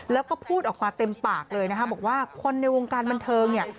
แล้วก็พูดออกมาเต็มปากเลยนะคะบอกว่าคนในวงการบันเทิงเนี่ย